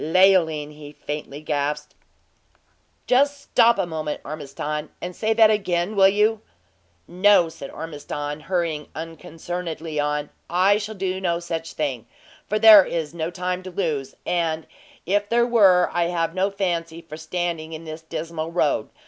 "Leoline!" he faintly gasped. "Just stop a moment, Ormiston, and say that again will you?" "No," said Ormiston, hurrying unconcernedly on; "I shall do no such thing, for there is no time to lose, and if there were I have no fancy for standing in this dismal road.